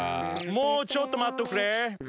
もうちょっと待っとくれ。